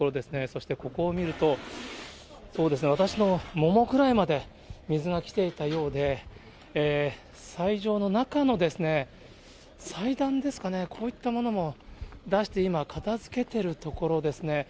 そして、ここを見ると、そうですね、私のももぐらいまで水が来ていたようで、斎場の中の祭壇ですかね、こういったものも出して、今、片づけてるところですね。